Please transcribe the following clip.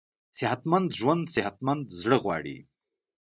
صحتمند ژوند صحتمند زړه غواړي.